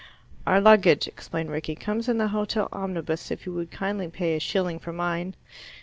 "Our luggage," explained Rickie, "comes in the hotel omnibus, if you would kindly pay a shilling for mine."